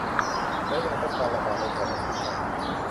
และยังพบการระบาดในแถบแอฟริกา